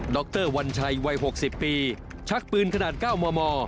ดรวันชัยวัยหกสิบปีชักปืนขนาดเก้าหมอ